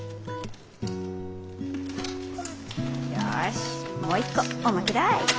よしもう一個おまけだい。